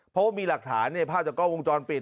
เพราะว่ามีหลักฐานในภาพจากกล้องวงจรปิด